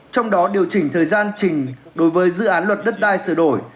trong đó điều chỉnh thời gian trình đối với dự án luật đất đai sửa đổi